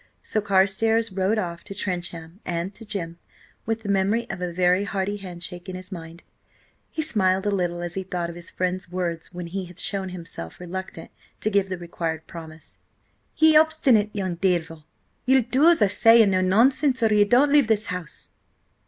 So Carstares rode off to Trencham and to Jim, with the memory of a very hearty handshake in his mind. He smiled a little as he thought of his friend's words when he had shown himself reluctant to give the required promise: "Ye obstinate young devil, ye'll do as I say, and no nonsense, or ye don't leave this house!"